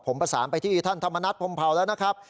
ผมประสานไปที่ท่านธรรมนัฐพรมเผาแล้วนะครับ